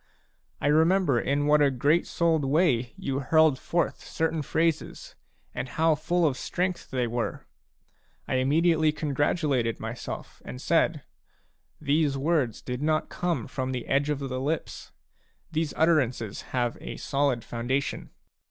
I remember in what a great souled way you hurled forth certain phrases, and how full of strength they were ! I im mediately congratulated myself and said :" These words did not come from the edge of the lips ; these utterances have a solid foundation.